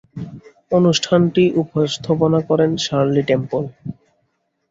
অনুষ্ঠানটির উপস্থাপনা করেন শার্লি টেম্পল।